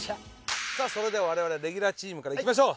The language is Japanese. それでは我々レギュラーチームからいきましょう。